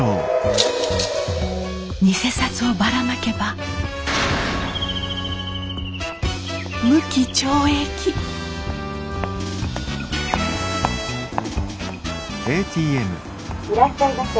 偽札をばらまけば無期懲役「いらっしゃいませ。